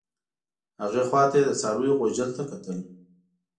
هغې خوا ته یې د څارویو غوجل ته کتل.